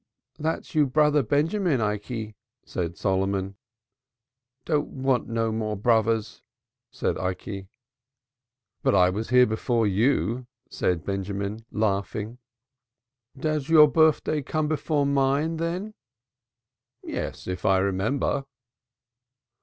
"That's your brother Benjamin, Ikey," said Solomon. "Don't want no more brovers," said Ikey. "Oh, but I was here before you," said Benjamin laughing. "Does oor birfday come before mine, then?" "Yes, if I remember."